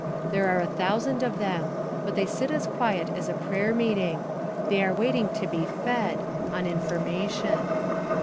There are a thousand of them, but they sit as quiet as a prayer meeting. They are waiting to be fed on information.